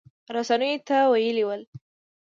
رسنیو ته ویلي ول